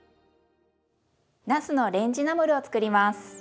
なすのレンジナムルを作ります。